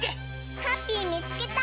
ハッピーみつけた！